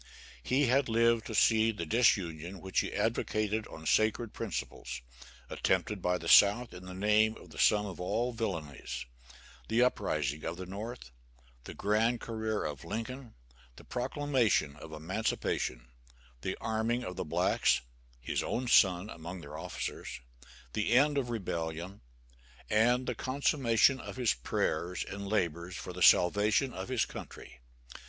He had lived to see the disunion which he advocated on sacred principles, attempted by the South in the name of the sum of all villanies; the uprising of the North; the grand career of Lincoln; the proclamation of emancipation; the arming of the blacks his own son among their officers; the end of the rebellion; and the consummation of his prayers and labors for the salvation of his country.